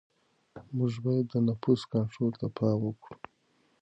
موږ باید د نفوس کنټرول ته پام وکړو.